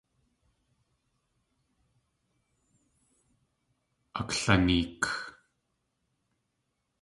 Aklaneek.